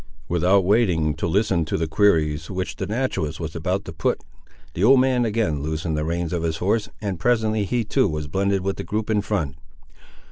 Without waiting to listen to the queries, which the naturalist was about to put, the old man again loosened the reins of his horse, and presently he too was blended with the group in front.